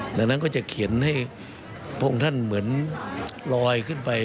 ดังนั้นก็จะเขียนให้พระองค์ท่านเหมือนลอยขึ้นไป